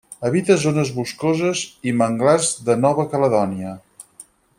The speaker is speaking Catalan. Habita zones boscoses i manglars de Nova Caledònia.